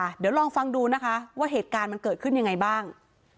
เดี๋ยวลองฟังดูนะคะว่าเหตุการณ์มันเกิดขึ้นยังไงบ้าง